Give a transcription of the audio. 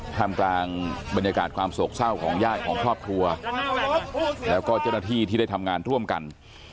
ทำกลางบรรยากาศความโศกเศร้าของญาติของครอบครัวแล้วก็เจ้าหน้าที่ที่ได้ทำงานร่วมกัน